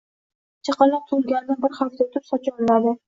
Chaqaloq tug‘ilganidan bir hafta o‘tib, sochi olinadi.